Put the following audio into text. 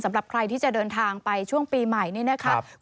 สำหรับใครที่จะเดินทางไปช่วงปีใหม่นี้นะครับ